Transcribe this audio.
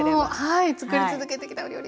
はいつくり続けてきたお料理